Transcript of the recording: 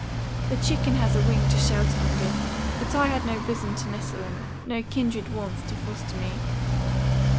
The chicken has a wing to shelter under; but I had no bosom to nestle in, no kindred warmth to foster me.